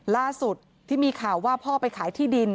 ล่าสุดที่มีข่าวว่าพ่อไปขายที่ดิน